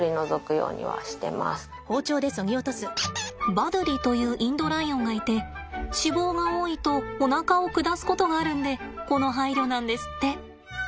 バドゥリというインドライオンがいて脂肪が多いとおなかを下すことがあるんでこの配慮なんですって。